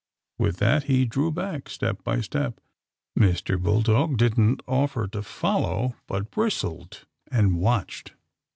With that he drew back, step by step. Mr. Bull dog didn't offer to follow, but bristled and watched.